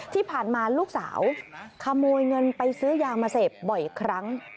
ที่ผ่านมาลูกสาวขโมยเงินไปซื้อยามาเสพบ่อยครั้ง